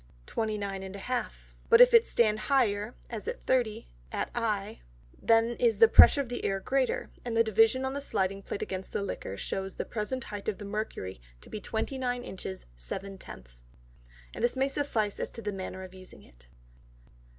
_ 29,5; but if it stand higher, as at 30, at I; then is the pressure of the Air greater; and the division on the sliding Plate against the Liquor, shews the present height of the Mercury to be twenty nine Inches seven Tenths. And this may suffice as to the manner of using it.